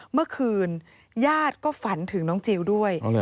เมื่อคืนญาติก็ฝันถึงน้องจิลด้วย